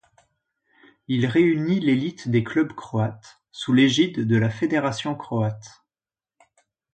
Il réunit l'élite des clubs croates sous l'égide de la Fédération croate.